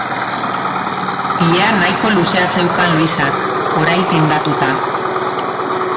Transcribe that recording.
Ilea nahiko luzea zeukan Luisak, horail tindatuta.